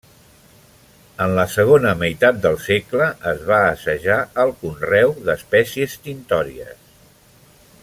En la segona meitat del segle es va assajar el conreu d’espècies tintòries.